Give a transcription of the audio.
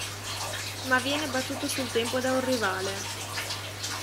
Ma viene battuto sul tempo da un rivale.